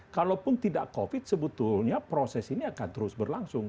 kalaupun tidak covid sebetulnya proses ini akan terus berlangsung